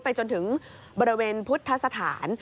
จนถึงบริเวณพุทธสถาน